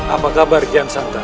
apa kabar gian santai